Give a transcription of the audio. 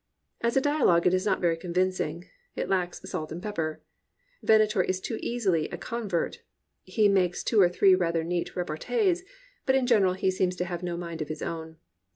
As a dialogue it is not very convincing, it lacks salt and pepper; Venator is too easy a convert; he makes two or three rather neat repartees, but in general he seems to have no mind of his own.